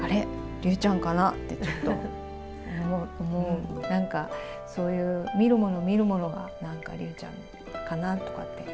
竜ちゃんかなってちょっと思う、そういう見るもの見るものが、なんか竜ちゃんかなとかって。